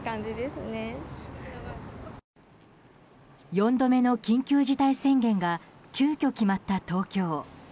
４度目の緊急事態宣言が急きょ決まった東京。